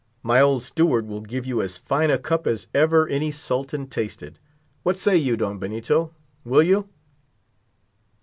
My old steward will give you as fine a cup as ever any sultan tasted. What say you, Don Benito, will you?"